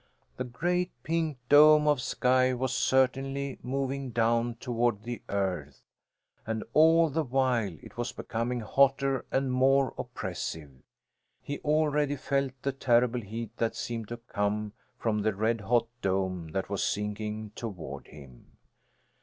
The great pink dome of sky was certainly moving down toward the earth, and all the while it was becoming hotter and more oppressive. He already felt the terrible heat that seemed to come from the red hot dome that was sinking toward him.